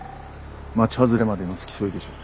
町外れまでの付き添いでしょう。